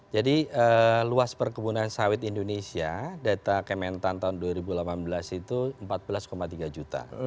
jadi luas perkebunan sawit indonesia data kementan tahun dua ribu delapan belas itu empat belas tiga juta